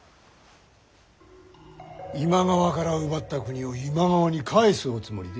今川から奪った国を今川に返すおつもりで？